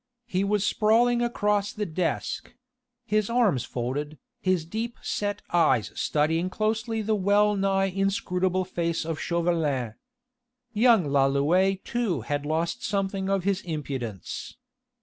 He was sprawling across the desk his arms folded, his deep set eyes studying closely the well nigh inscrutable face of Chauvelin. Young Lalouët too had lost something of his impudence.